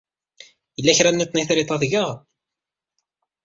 Yella kra n iṭen i triṭ ad tgeɣ?